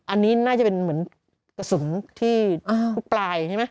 อันนี้น่าจะเป็นเหมือนกระสุนที่ทุกปลายใช่ไหม